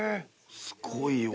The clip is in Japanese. すごいわ。